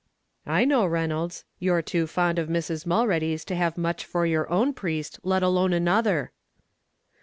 "I know, Reynolds, you're too fond of Mrs. Mulready's to have much for your own priest, let alone another."